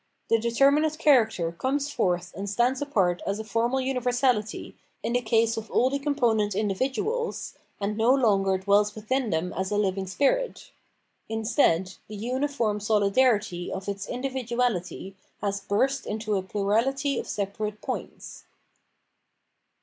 The determin ate character comes forth and stands apart as a formal universality in the case of all the component in dividuals, and no longer dwells withm them as a living spirit; instead, the uniform solidarity of its individuality has burst into a plurality of separate points.